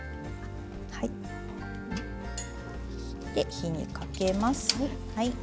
火にかけます。